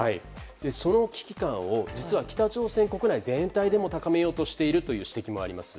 その危機感を実は北朝鮮国内全体でも高めようとしているという指摘もあります。